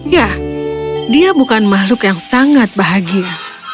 ya dia bukan makhluk yang sangat bahagia